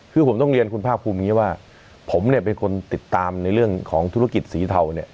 คือผมต้องเรียนคุณภาคภูมิอย่างนี้ว่าผมเนี่ยเป็นคนติดตามในเรื่องของธุรกิจสีเทาเนี่ย